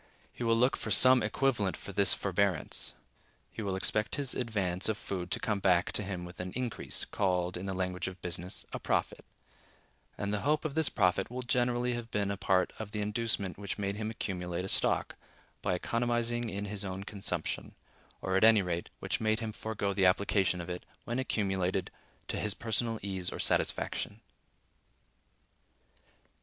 He will look for some equivalent for this forbearance:(103) he will expect his advance of food to come back to him with an increase, called, in the language of business, a profit; and the hope of this profit will generally have been a part of the inducement which made him accumulate a stock, by economizing in his own consumption; or, at any rate, which made him forego the application of it, when accumulated, to his personal ease or satisfaction.